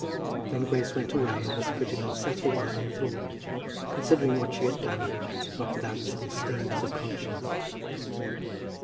Then Grace went away, and Miss Prettyman sat awhile in thought, considering what she had done, not without some stings of conscience.